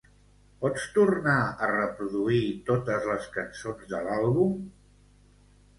Pots tornar a reproduir totes les cançons de l'àlbum?